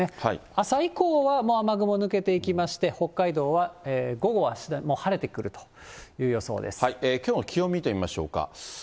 朝以降は雨雲抜けていきまして、北海道は午後はもう晴れてくるときょうの気温見てみましょうか。